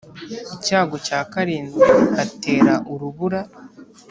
Icyago cya karindwi hatera urubura